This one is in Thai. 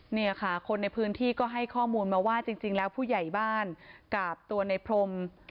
เนี่ยค่ะคนในพื้นที่ก็ให้ข้อมูลมาว่าจริงแล้วผู้ใหญ่บ้านกับตัวในพรม